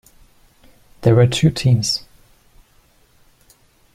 There were two teams.